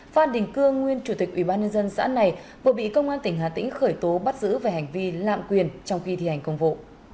phan đình cương nguyên chủ tịch ủy ban nhân dân xã này vừa bị công an tỉnh hà tĩnh khởi tố bắt giữ về hành vi lạm quyền trong khi thi hành công vụ